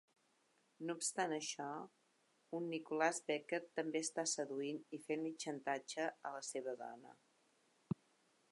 No obstant això, un Nicholas Beckett també està seduint i fent-li xantatge a la seva dona.